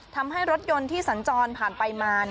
ทำให้รถยนต์ที่สัญจรผ่านไปมา